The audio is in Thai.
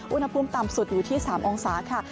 อุณหภูมิต่ำสุดอยู่ที่๓องศาค่ะ